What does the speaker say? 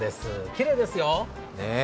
きれいですよ。